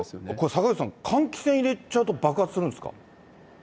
坂口さん、換気扇入れちゃうと、爆発するんですか？